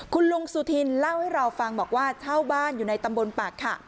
คุณลุงสุธินเล่าให้เราฟังบอกว่าเช่าบ้านอยู่ในตำบลปากขะ